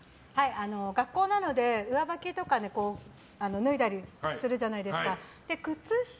学校なので、上履きとかを脱いだりするじゃないですか。